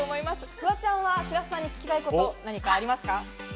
フワちゃんは白洲さんに聞きたいことありますか？